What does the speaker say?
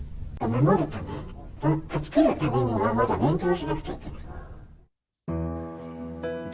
守るため、断ち切るためには、まだ勉強しなくちゃいけないと。